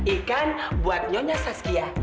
ikan buat nyonya saskia